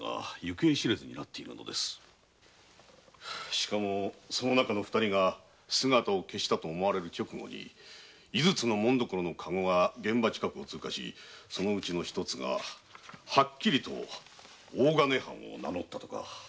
しかもその中の二人が姿を消したと思われる直後に井筒の紋所のカゴが現場近くを通過しその中の一つがはっきりと大金藩を名乗ったとか。